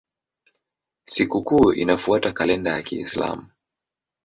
Sikukuu inafuata kalenda ya Kiislamu.